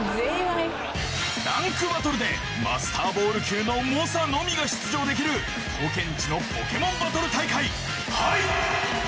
ランクバトルでマスターボール級の猛者のみが出場できるポケんちのポケモンバトル大会ＨＩＧＨ。